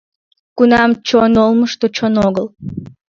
Кунам чон олмышто чон огыл